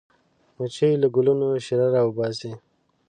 مچمچۍ له ګلونو شیره راوباسي